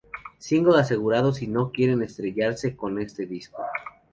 Single asegurado, si no quieren estrellarse con este disco".